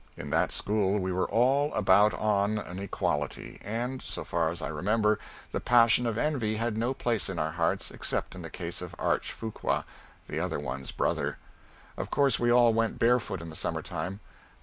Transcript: In that school we were all about on an equality, and, so far as I remember, the passion of envy had no place in our hearts, except in the case of Arch Fuqua the other one's brother. Of course we all went barefoot in the summer time.